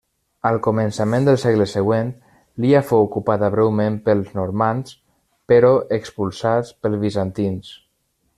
Al començament del segle següent, l'illa fou ocupada breument pels normands, però expulsats pels bizantins.